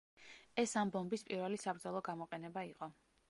ეს ამ ბომბის პირველი საბრძოლო გამოყენება იყო.